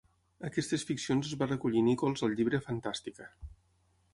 Aquestes ficcions les va recollir Nichols al llibre "Fantastica".